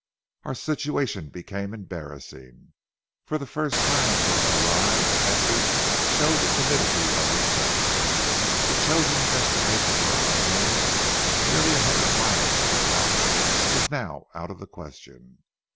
Our situation became embarrassing. For the first time during our ride, Esther showed the timidity of her sex. The chosen destination of our honeymoon, nearly a hundred miles to the south, was now out of the question.